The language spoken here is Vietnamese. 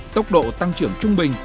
tốc độ tăng trưởng trung bình